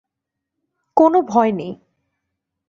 কোনো ভয় নাই।